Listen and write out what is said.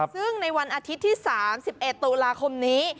ซึ่งในวันอาทิตย์ที่๓๑ตุลาคมนี้